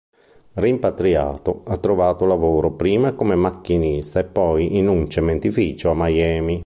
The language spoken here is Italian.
Rimpatriato, ha trovato lavoro prima come macchinista e poi in un cementificio a Miami.